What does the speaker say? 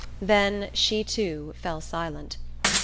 Then she too fell silent.